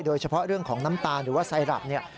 โดยเฉพาะเรื่องของน้ำตาลหรือว่าไซรับเนี่ย